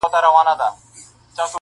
• نیمه پېړۍ و جنکيدلم پاچا,